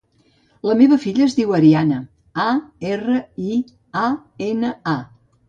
La meva filla es diu Ariana: a, erra, i, a, ena, a.